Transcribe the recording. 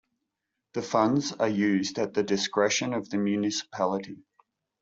The funds are used at the discretion of the Municipality.